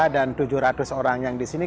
dan tujuh ratus orang yang di sini